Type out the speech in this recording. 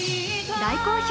大好評！